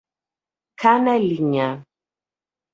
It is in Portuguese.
Canelinha